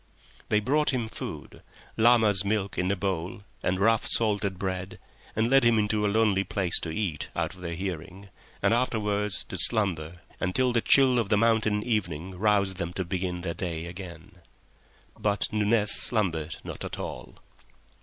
They brought him food, llama's milk in a bowl and rough salted bread, and led him into a lonely place to eat out of their hearing, and afterwards to slumber until the chill of the mountain evening roused them to begin their day again. But Nunez slumbered not at all.